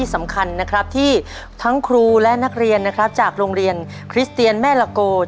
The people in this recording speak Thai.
สำคัญนะครับที่ทั้งครูและนักเรียนนะครับจากโรงเรียนคริสเตียนแม่ละโก